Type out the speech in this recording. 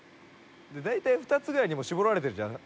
「大体２つぐらいにもう絞られてるじゃん」